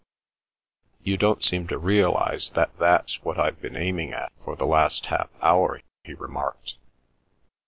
"You don't seem to realise that that's what I've been aiming at for the last half hour," he remarked.